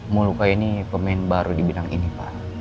muluka ini pemain baru di bidang ini pak